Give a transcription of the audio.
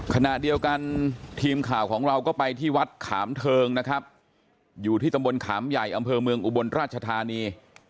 ขณะเดียวกันทีมข่าวของเราก็ไปที่วัดขามเทิงนะครับอยู่ที่ตำบลขามใหญ่อำเภอเมืองอุบลราชธานี